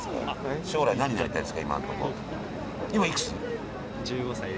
将来、何になりたいですか。